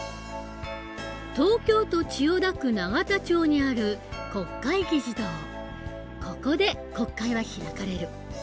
東京都千代田区永田町にあるここで国会は開かれる。